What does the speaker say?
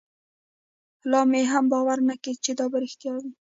لا مې هم باور نه کېده چې دا به رښتيا وي.